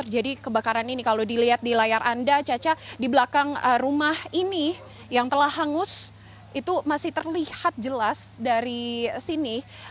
jadi di belakang rumah ini yang telah hangus itu masih terlihat jelas dari sini